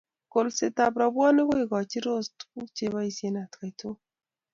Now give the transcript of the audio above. kolsekab robwoniek koikochini Rose tuguk cheboisien atkai tugul